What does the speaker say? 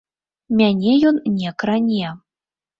Мяне ён не кране.